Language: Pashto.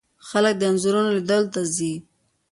خلک د انځورونو لیدلو ته ځي.